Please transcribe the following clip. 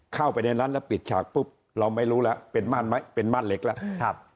เข้าไปในนั้นแล้วปิดฉากปุ๊บเราไม่รู้แล้วเป็นม่านเล็กแล้ว